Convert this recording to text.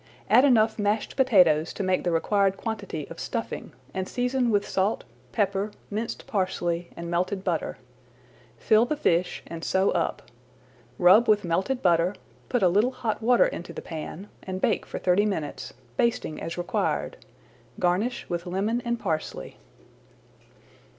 Add enough mashed potatoes to make the required quantity of stuffing, and season with salt, pepper, minced parsley, and melted butter. Fill the fish and sew up. Rub with melted butter, put a little hot water into the pan, and bake for thirty minutes, basting as required. Garnish with lemon and parsley.